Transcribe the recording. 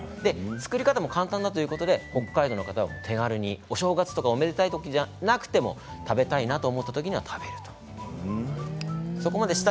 作り方も簡単だということで北海道の方は手軽に、お正月とかおめでたいときでなくても食べたいと思うときに食べるということなんです。